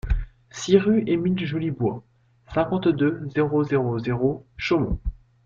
six rue Émile Jolibois, cinquante-deux, zéro zéro zéro, Chaumont